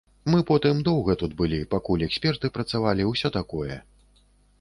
Мы потым доўга тут былі, пакуль эксперты працавалі, ўсё такое.